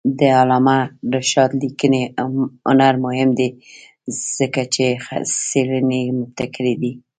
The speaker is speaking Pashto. د علامه رشاد لیکنی هنر مهم دی ځکه چې څېړنې مبتکرې دي.